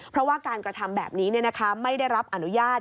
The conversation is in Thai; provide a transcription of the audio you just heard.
เพราะว่าการกระทำแบบนี้ไม่ได้รับอนุญาต